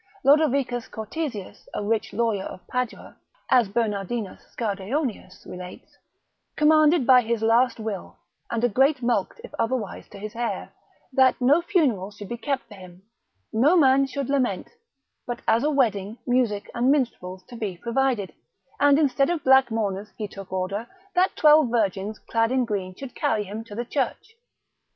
Lodovicus Cortesius, a rich lawyer of Padua (as Bernardinus Scardeonius relates) commanded by his last will, and a great mulct if otherwise to his heir, that no funeral should be kept for him, no man should lament: but as at a wedding, music and minstrels to be provided; and instead of black mourners, he took order, that twelve virgins clad in green should carry him to the church.